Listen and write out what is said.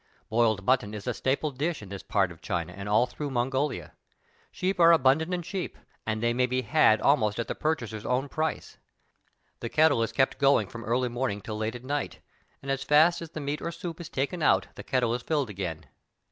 Boiled mutton is a staple dish in this part of China and all through Mongolia. Sheep are abundant and cheap, and they may be had almost at the purchaser's own price; the kettle is kept going from early morning till late at night, and as fast as the meat or soup is taken out the kettle is 188 THE TALKING HANDKERCHIEF. filled again.